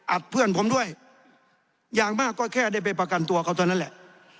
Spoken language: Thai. เพื่อนผมด้วยอย่างมากก็แค่ได้ไปประกันตัวเขาเท่านั้นแหละ